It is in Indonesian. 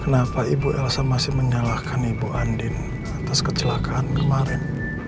kenapa ibu elsa masih menyalahkan ibu andin atas kecelakaan kemarin